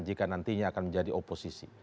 jika nantinya akan menjadi oposisi